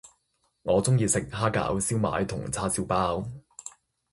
我鐘意食蝦餃燒賣同叉燒包